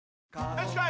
よしこい！